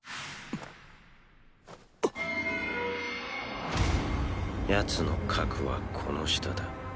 あっ⁉奴の核はこの下だ。